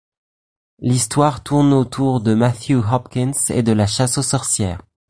L'histoire tourne autour de Matthew Hopkins et de la chasse aux sorcières.